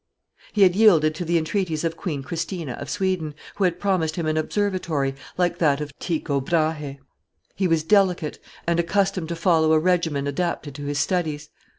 He had yielded to the entreaties of Queen Christina of Sweden, who had promised him an observatory, like that of Tycho Brahe. He was delicate, and accustomed to follow a regimen adapted to his studies.